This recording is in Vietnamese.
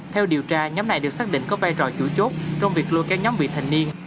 theo điều tra nhóm này được xác định có vai trò chủ chốt trong việc lôi kéo nhóm vị thành niên